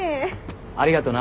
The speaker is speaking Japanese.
ありがとな。